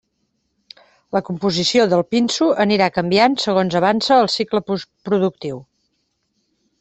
La composició del pinso anirà canviant segons avance el cicle productiu.